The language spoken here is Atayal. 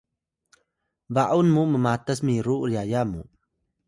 ba’un mu mmatas miru yaya mu